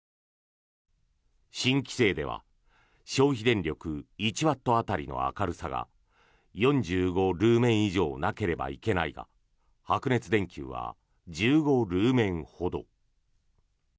新規制では消費電力１ワット当たりの明るさが４５ルーメン以上なければいけないが白熱電球は１５ルーメンほど。